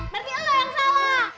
berarti lo yang salah